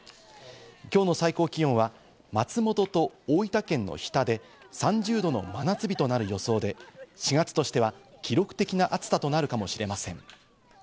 今日の最高気温は松本と大分県の日田で３０度の真夏日となる予想で、４月としては記録的な暑さとなるかもしれません。